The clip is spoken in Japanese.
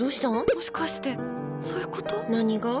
もしかして、そういうこと？